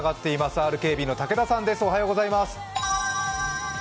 ＲＫＢの武田さんです。